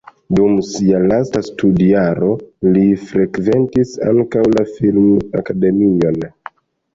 Dum sia lasta studjaro li frekventis ankaŭ la film-akademion.